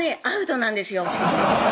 アウトなんですよ